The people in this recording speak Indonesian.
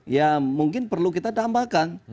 ya mungkin perlu kita tambahkan